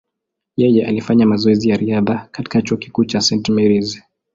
Yeye alifanya mazoezi ya riadha katika chuo kikuu cha St. Mary’s.